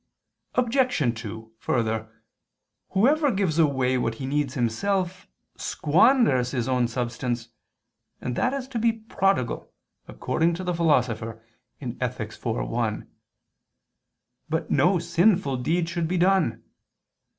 Obj. 2: Further, whoever gives away what he needs himself, squanders his own substance, and that is to be a prodigal, according to the Philosopher (Ethic. iv, 1). But no sinful deed should be done.